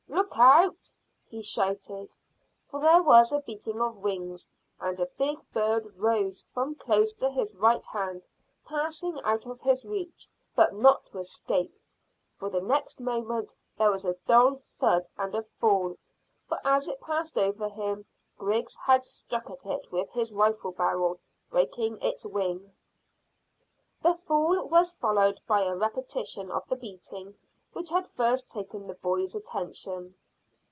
"Look out," he shouted, for there was a beating of wings, and a big bird rose from close to his right hand, passing out of his reach, but not to escape, for the next moment there was a dull thud and a fall, for as it passed over him Griggs had struck at it with his rifle barrel, breaking its wing. The fall was followed by a repetition of the beating which had first taken the boy's attention.